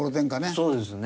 そうですね。